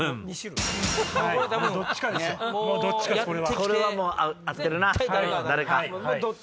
これはもう合ってるな誰か。